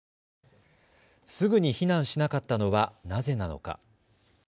すぐに避難しなかったのはなぜなのか。